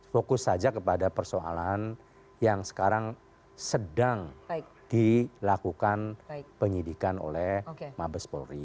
fokus saja kepada persoalan yang sekarang sedang dilakukan penyidikan oleh mabes polri